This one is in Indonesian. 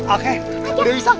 oke udah bisa